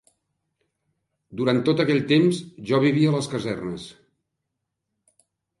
Durant tot aquell temps jo vivia a les casernes